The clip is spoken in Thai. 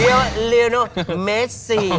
ริยะระดับเหนือเมซิ